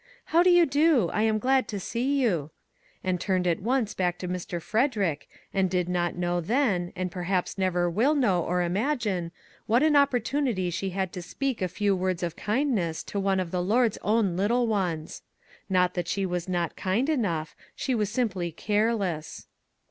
"How do you do? I am glad to see you," and turned at once back to Mr. Fred erick, and did not know then, and perhaps never will know or imagine, what an opportunity she MAG AND MARGARET had to speak a few words of kindness to one of the Lord's own little ones. Not that she was not kind enough ; she was simply careless.